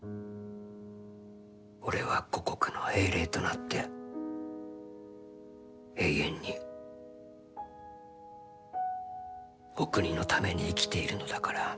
「俺は護国の英霊となって永遠にお国のために生きているのだから。